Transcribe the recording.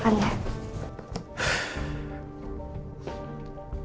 sebenernya aku gak mau pergi dari sini